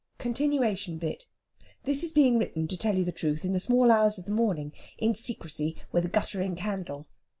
(Continuation bit.) This is being written, to tell you the truth, in the small hours of the morning, in secrecy with a guttering candle.